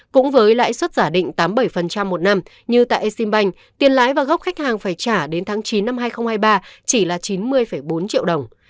cũng với lãi suất giả định tám mươi bảy một năm như tại exim bank tiền lãi và gốc khách hàng phải trả đến tháng chín năm hai nghìn hai mươi ba chỉ là chín mươi bốn triệu đồng